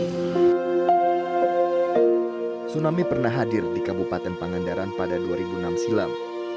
tsunami pernah hadir di kabupaten pangandaran pada dua ribu enam silam